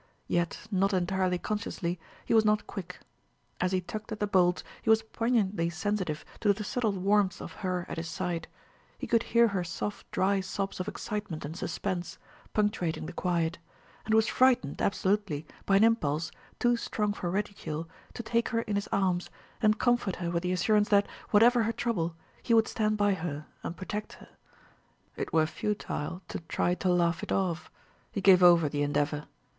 Yet, not entirely consciously, he was not quick. As he tugged at the bolts he was poignantly sensitive to the subtle warmth of her at his side; he could hear her soft dry sobs of excitement and suspense, punctuating the quiet; and was frightened, absolutely, by an impulse, too strong for ridicule, to take her in his arms and comfort her with the assurance that, whatever her trouble, he would stand by her and protect her.... It were futile to try to laugh it off; he gave over the endeavor.